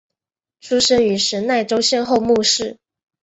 出身于神奈川县厚木市。